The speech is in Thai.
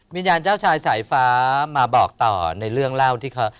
วิญญาณเจ้าชายสายฟ้ามาบอกต่อในเรื่องเล่าที่เขา